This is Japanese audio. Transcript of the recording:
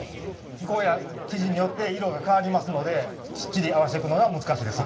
気候や生地によって色が変わりますのできっちり合わせていくのが難しいです。